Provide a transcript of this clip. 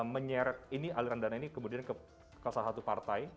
menyeret ini aliran dana ini kemudian ke salah satu partai